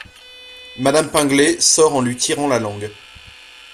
Madame Pinglet sort en lui tirant la langue.